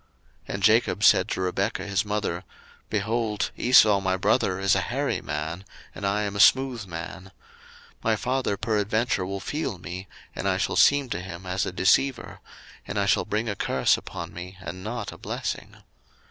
01:027:011 And Jacob said to Rebekah his mother, Behold, Esau my brother is a hairy man, and I am a smooth man: 01:027:012 My father peradventure will feel me, and I shall seem to him as a deceiver; and I shall bring a curse upon me, and not a blessing.